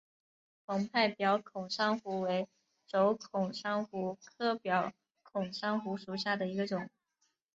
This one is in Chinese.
膨胀表孔珊瑚为轴孔珊瑚科表孔珊瑚属下的一个种。